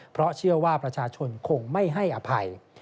เพราะเชื่อว่าประชาชนคงไม่ให้อภัย